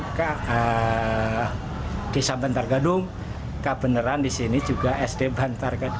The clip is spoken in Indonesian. maka desa bantar gadung kebenaran di sini juga sd bantar gadung